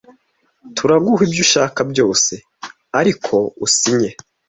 turaguha ibyo ushaka byose ariko usinye